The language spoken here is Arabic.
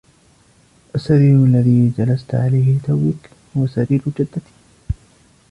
السرير الذي جلست عليه لتوك هو سرير جدتي